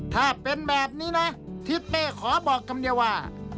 ถ้าเป็นแบบนี้นะทิศเป้ขอบอกคำเดียวว่า